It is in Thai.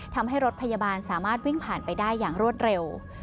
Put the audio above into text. ทำให้รถพยาบาลสามารถวิ่งผ่านไปได้อย่างรวดเร็ว